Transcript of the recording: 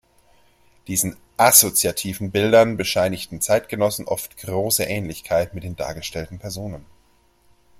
Diesen "assoziativen Bildern" bescheinigten Zeitgenossen oft große Ähnlichkeit mit den dargestellten Personen.